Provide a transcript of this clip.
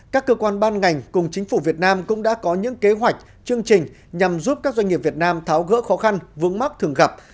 các cơ quan ban ngành cùng chính phủ việt nam cũng đã có những kế hoạch chương trình nhằm giúp các doanh nghiệp việt nam tháo gỡ khó khăn vướng mắt thường gặp